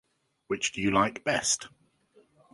Which do you like best?